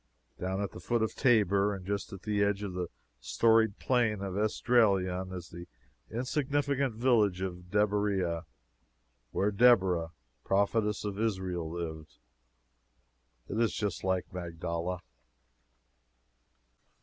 Down at the foot of Tabor, and just at the edge of the storied Plain of Esdraelon, is the insignificant village of Deburieh, where Deborah, prophetess of Israel, lived. It is just like Magdala.